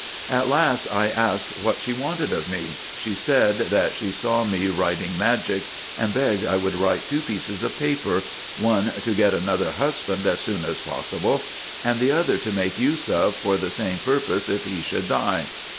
At last I asked what she wanted of me. She said, that she saw me writing magic, and begged I would write two pieces of paper — one to get another hus band, as soon as possible, and the other to make use of for the same purpose if he should die.